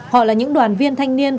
họ là những đoàn viên thanh niên